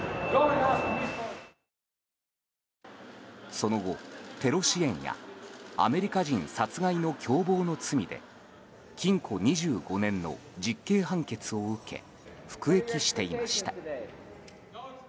その後、テロ支援やアメリカ人殺害の共謀の罪で禁固２５年の実刑判決を受け服役していました。